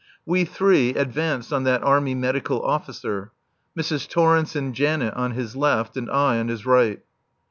We three advanced on that Army Medical Officer, Mrs. Torrence and Janet on his left and I on his right.